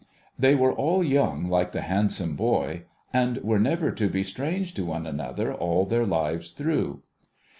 They were all young, like the handsome boy, and were never to be strange to one another all their lives through.